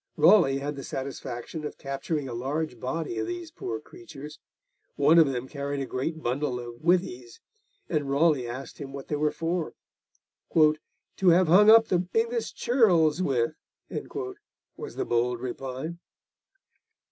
Raleigh had the satisfaction of capturing a large body of these poor creatures. One of them carried a great bundle of withies, and Raleigh asked him what they were for. 'To have hung up the English churls with,' was the bold reply.